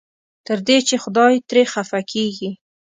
تر دې چې خدای ترې خفه کېږي.